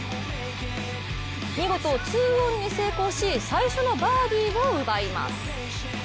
見事、２オンに成功し最初のバーディーを奪います。